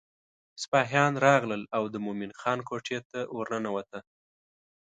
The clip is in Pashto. سپاهیان راغلل او د مومن خان کوټې ته ورننوته.